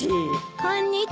こんにちは。